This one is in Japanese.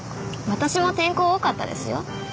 私も転校多かったですよ。